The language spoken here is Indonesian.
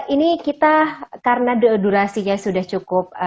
ini kita karena durasinya sudah cukup